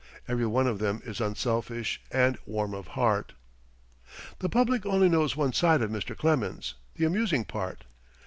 Every one of them is unselfish and warm of heart. The public only knows one side of Mr. Clemens the amusing part.